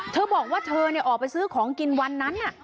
เธอบอกว่าเธอออกไปซื้อของกินวันนั้น